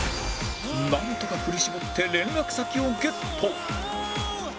なんとか振り絞って連絡先をゲット